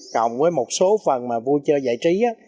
cộng với một số phần mà vui chơi giải trí á